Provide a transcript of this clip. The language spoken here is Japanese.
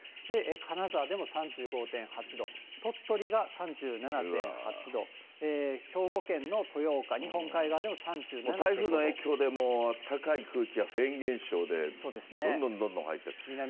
金沢でも３５．８度、鳥取が３７．８度、兵庫県の豊岡、台風の影響でもう、あったかい空気がフェーン現象でどんどんどんどん入ってくる。